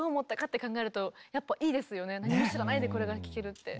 何も知らないでこれが聴けるって。